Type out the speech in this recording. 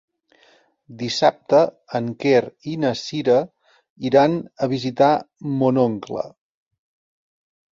Dissabte en Quer i na Cira iran a visitar mon oncle.